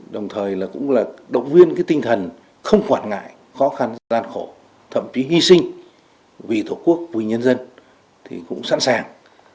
đồng thời là cũng là động viên cái tinh thần không quản ngại khó khăn gian khổ thậm chí hy sinh vì thổ quốc vì nhân dân thì cũng sẵn sàng